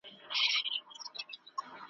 خدای د عقل په تحفه دی نازولی `